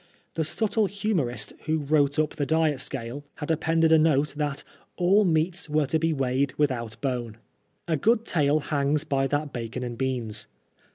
The subtle humorist who drew up the diet scale had PRISON LITE. 131 appended a note that '' all meats were to be weighed without bone." A good tale hangs by that bacon and beans.